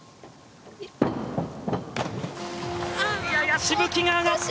やや、しぶきが上がった。